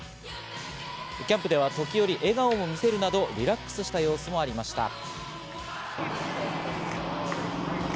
キャンプでは時折、笑顔を見せるなど、リラックスした様子もありました。